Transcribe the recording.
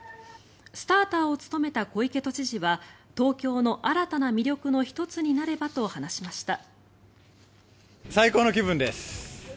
スターターを務めた小池都知事は東京の新たな魅力の１つになればと話しました。